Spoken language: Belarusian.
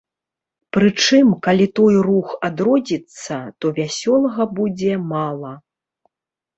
Прычым, калі той рух адродзіцца, то вясёлага будзе мала.